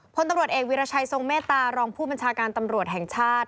พลตำรวจเอกวิรชัยทรงเมตตารองผู้บัญชาการตำรวจแห่งชาติ